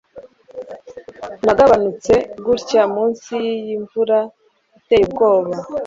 Nagabanutse gutya munsi yiyi mvura iteye ubwoba